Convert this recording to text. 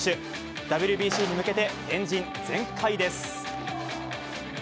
ＷＢＣに向けてエンジン全開です。